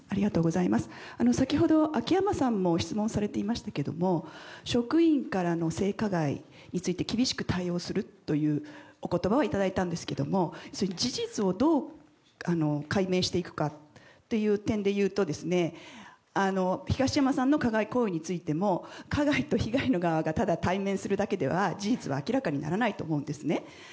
先ほども質問されていましたけども職員からの性加害について厳しく対応するというお言葉はいただいたんですけども事実をどう解明していくかという点でいうと東山さんの加害行為についても加害と被害の側がただ対面するだけでは事実は明らかにならないと思うんですね。